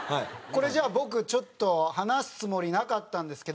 これじゃあ僕ちょっと話すつもりなかったんですけど。